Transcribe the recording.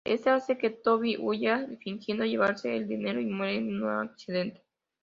Éste hace que Toni huya, fingiendo llevarse el dinero y muere en un accidente.